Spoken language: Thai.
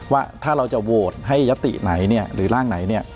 ว่าถ้าเราจะโวทย์ให้ยติไหนหรือร่างไหนเนี่ย